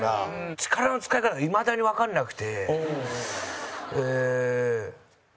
力の使い方がいまだに、わからなくて。